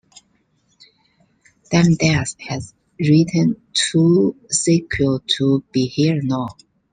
Ram Dass has written two sequels to "Be Here Now".